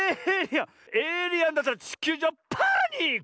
エイリアンだったらちきゅうじょうはパニック！